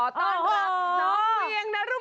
สวัสดีครับทุกคน